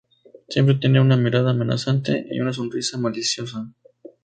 Siempre tiene una mirada amenazante y una sonrisa maliciosa.